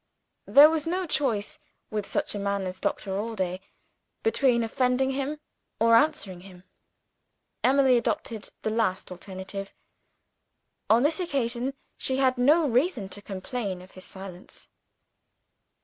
There was no choice (with such a man as Doctor Allday) between offending him or answering him. Emily adopted the last alternative. On this occasion she had no reason to complain of his silence.